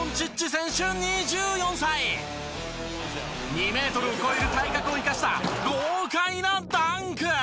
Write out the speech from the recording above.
２メートルを超える体格を生かした豪快なダンク！